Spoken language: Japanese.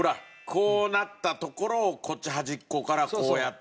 こうなったところをこっち端っこからこうやって。